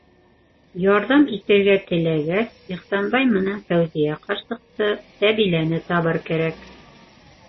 Ярҙам итергә теләгәс, Ихсанбай менән Фәүзиә ҡарсыҡты, Сәбиләне табыр кәрәк.